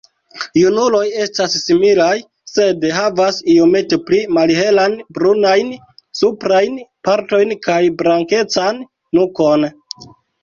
Junuloj estas similaj, sed havas iomete pli malhelan brunajn suprajn partojn kaj blankecan nukon.